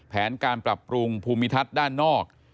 แผนการปรับปรุงภูมิทัศน์ด้านนอก